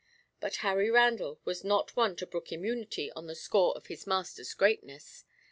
But Harry Randall was not one to brook immunity on the score of his master's greatness.